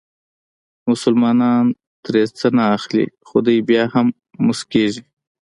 مسلمانان ترې څه نه اخلي خو دوی بیا هم موسکېږي.